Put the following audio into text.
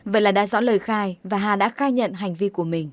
vậy là đã rõ lời khai và hà đã khai nhận hành vi của mình